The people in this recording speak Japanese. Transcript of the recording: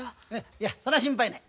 いやそれは心配ない。